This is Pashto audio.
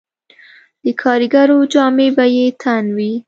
د کاریګرو جامې به یې تن وې